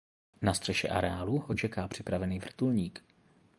Na střeše areálu ho čeká připravený vrtulník.